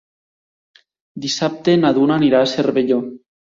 Dissabte na Duna anirà a Cervelló.